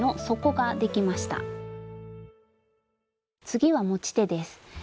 次は持ち手です。